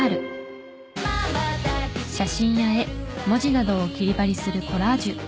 写真や絵文字などを切り貼りするコラージュ。